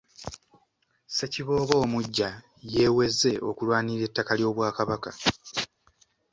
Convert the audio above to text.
Ssekiboobo omuggya yeeweze okulwanirira ettaka ly’Obwakabaka.